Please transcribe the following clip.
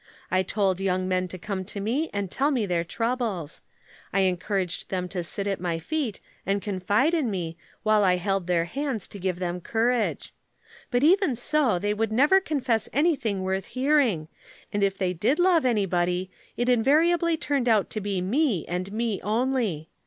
I told young men to come to me and tell me their troubles. I encouraged them to sit at my feet and confide in me while I held their hands to give them courage. But even so they would never confess anything worth hearing, and if they did love anybody it invariably turned out to be me and me only.